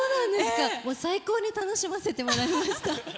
最高に楽しませてもらいました。